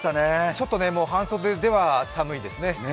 ちょっと半袖では寒いですね。